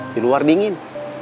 di luar dingin